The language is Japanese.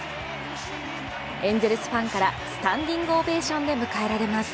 エンゼルスファンからスタンディングオベーションで迎えられます。